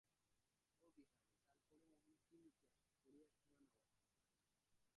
ও বিহারী, তার পরে মহিন কী লিখিয়াছে, পড়িয়া শোনা না বাছা।